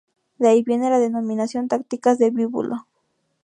De ahí viene la denominación tácticas de Bíbulo.